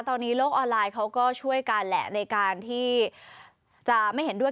ตอนนี้โลกออนไลน์เขาก็ช่วยกันแหละในการที่จะไม่เห็นด้วย